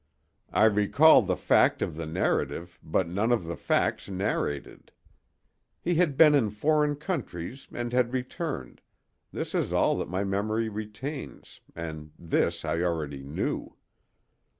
I recall the fact of the narrative, but none of the facts narrated. He had been in foreign countries and had returned—this is all that my memory retains, and this I already knew.